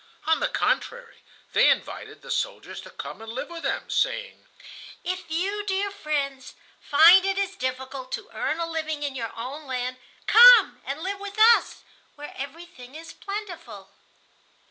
On the contrary, they invited the soldiers to come and live with them, saying: "If you, dear friends, find it is difficult to earn a living in your own land, come and live with us, where everything is plentiful."